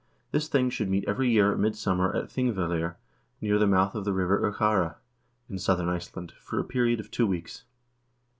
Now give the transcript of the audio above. This thing should meet every year at midsummer at pingvellir, near the mouth of the river 0xara, in southern Iceland, for a period of two weeks.